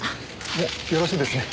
もうよろしいですね？